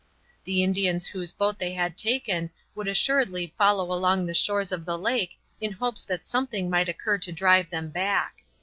The Indians whose boat they had taken would assuredly follow along the shores of the lake in hopes that something might occur to drive them back.